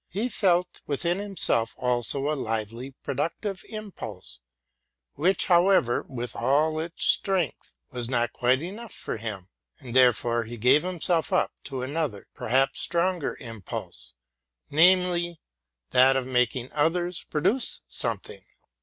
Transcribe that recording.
he felt within himself also a lively productive impulse, which, however, with all its strength, was not quite enough for him ; and therefore he gave himself up to another, perhaps stronger, impulse, namely, that of making others produce something.